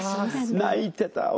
泣いてた。